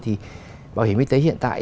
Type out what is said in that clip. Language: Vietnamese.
thì bảo hiểm y tế hiện tại